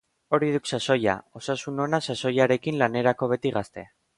Hori duk sasoia! Osasun ona, sasoiarekin, lanerako beti gazte.